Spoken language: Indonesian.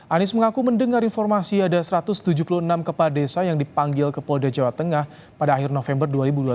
anies mengaku mendengar informasi ada satu ratus tujuh puluh enam kepala desa yang dipanggil ke polda jawa tengah pada akhir november dua ribu dua puluh